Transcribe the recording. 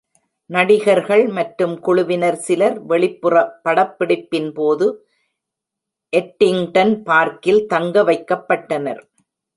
நடிகர்கள் மற்றும் குழுவினர் சிலர் வெளிப்புற படப்பிடிப்பின் போது எட்டிங்டன் பார்க்கில் தங்க வைக்கப்பட்டனர்.